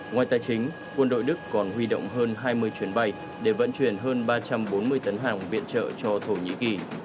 ngoài tài chính quân đội đức còn huy động hơn hai mươi chuyến bay để vận chuyển hơn ba trăm bốn mươi tấn hàng viện trợ cho thổ nhĩ kỳ